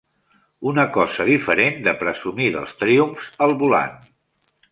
Una cosa diferent de presumir dels triomfs al volant.